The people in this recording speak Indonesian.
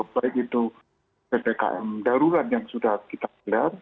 baik itu ppkm darurat yang sudah kita gelar